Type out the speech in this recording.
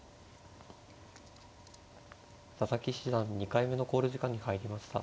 佐々木七段２回目の考慮時間に入りました。